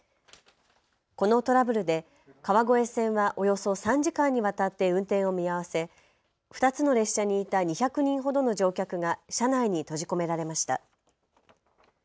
このトラブルで川越線はおよそ３時間にわたって運転を見合わせ、２つの列車にいた２００人ほどの乗客が車内に閉じ込められました。